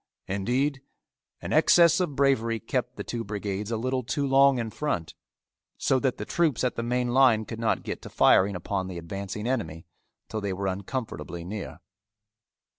Indeed an excess of bravery kept the two brigades a little too long in front, so that the troops at the main line could not get to firing upon the advancing enemy till they were uncomfortably near.